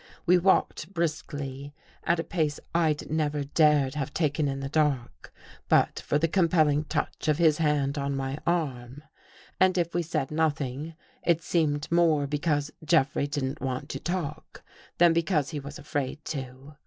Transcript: We walked briskly, at [ a pace I'd never dared have taken in the dark, but [ for the compelling touch of his hand on my arm. | And if we said nothing, it seemed more because j Jeffrey didn't want to talk than because he was j afraid to.